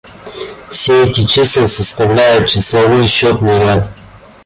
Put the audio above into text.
Все эти числа составляют числовой, счётный ряд.